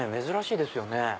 珍しいですよね。